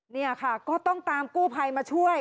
นี่ค่ะก็ต้องตามกู้ภัยมาช่วย